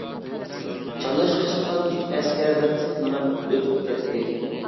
چارلاشقا چىققان ئۈچ ئەسكەر رەتلىك مېڭىپ ئۆتۈپ كەتتى.